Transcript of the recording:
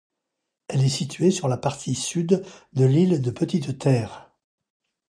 Elle est située sur la partie sud de l'île de Petite-Terre.